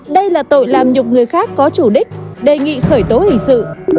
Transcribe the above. đây là tội làm nhục người khác có chủ đích đề nghị khởi tố hình sự